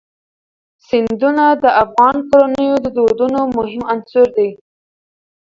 سیندونه د افغان کورنیو د دودونو مهم عنصر دی.